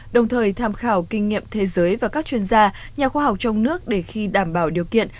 đồng thời tham khảo kinh nghiệm thế giới và các chuyên gia nhà khoa học trong nước để khi đảm bảo điều kiện